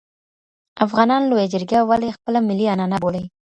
افغانان لویه جرګه ولي خپله ملي عنعنه بولي؟